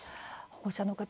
保護者の方